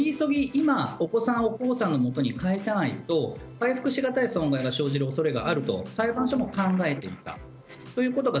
今、お子さんを江さんのもとに返さないと回復しがたい損害が生じる恐れがあると裁判所も考えていたということが